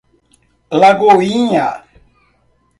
Lagoinha